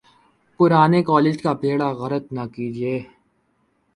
پرانے کالج کا بیڑہ غرق نہ کیجئے۔